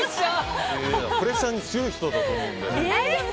プレッシャーに強い人だと思うので。